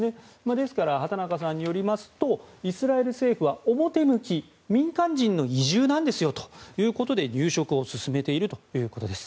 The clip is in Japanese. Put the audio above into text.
ですから、畑中さんによりますとイスラエル政府は表向き民間人の移住なんですよということで入植を進めているということです。